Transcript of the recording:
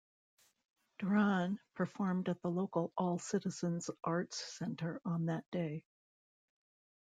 Doiron performed at the local All Citizens arts centre on that day.